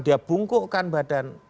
dia bungkukan badan